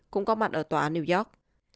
cũng có mặt ở tòa án new york